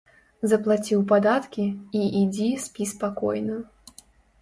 Заплаціў падаткі і ідзі спі спакойна.